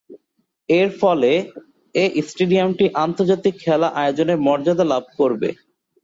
এরফলে, এ স্টেডিয়ামটি প্রথম আন্তর্জাতিক খেলা আয়োজনের মর্যাদা লাভ করবে।